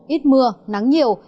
ít mưa nắng nhiều